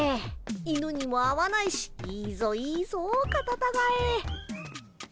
犬にも会わないしいいぞいいぞカタタガエ。